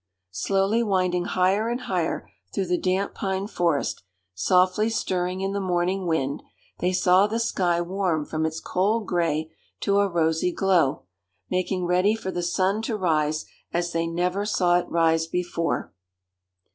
Slowly winding higher and higher through the damp pine forest, softly stirring in the morning wind, they saw the sky warm from its cold gray to a rosy glow, making ready for the sun to rise as they never saw it rise before.